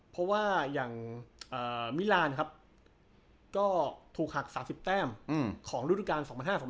เพราะว่าอย่างมิลานก็ถูกหัก๓๐แต้มของรุ่นการ๒๐๐๕๒๐๐๖